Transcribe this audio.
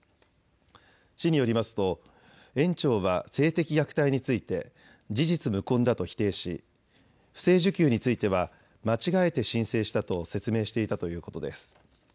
市によりますと園長は性的虐待について事実無根だと否定し不正受給については間違えて申請したと説明していたということです。